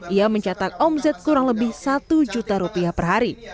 ia mencatat omzet kurang lebih rp satu per hari